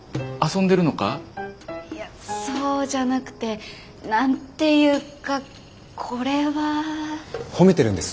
いやそうじゃなくて何て言うかこれは。褒めてるんです。